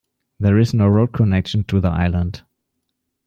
There is no road connection to the island.